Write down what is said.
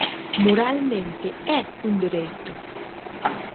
Moralmente é un dereito.